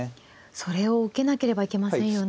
それを受けなければいけませんよね。